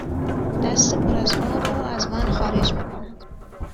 دست پر از آب را از وان خارج میکند